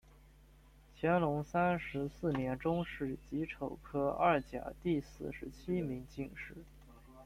乾隆三十四年中式己丑科二甲第四十七名进士。